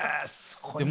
すごいな。